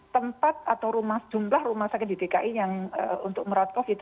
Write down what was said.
tempat atau jumlah rumah sakit di dki yang untuk merawat covid